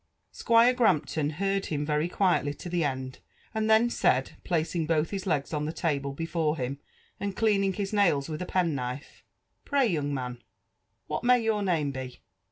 Squire Grampton heard him very quietly to the end, and then said, placing both his legs<ui the table before him, and cleaning his naik with a penknife, '' Pray^ young man, what may your name be